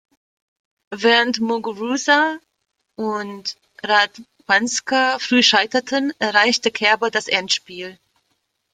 Während Muguruza und Radwańska früh scheiterten, erreichte Kerber das Endspiel.